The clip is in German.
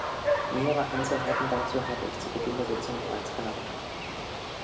Nähere Einzelheiten dazu habe ich zu Beginn der Sitzung bereits genannt.